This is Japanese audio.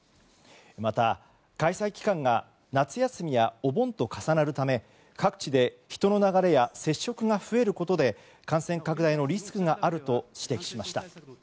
また、開催期間が夏休みやお盆と重なるため各地で人の流れや接触が増えることで感染拡大のリスクがあると指摘しました。